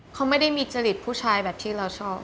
เขาไม่ได้มีจริตผู้ชายแบบที่เราชอบ